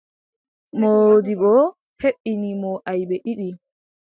Moodibbo heɓini mo aybe ɗiɗi.